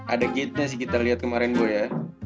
ada gate nya sih kita lihat kemarin gue ya